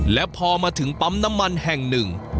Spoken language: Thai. และพอมาถึงปั๊มน้ำมันแห่งหนึ่ง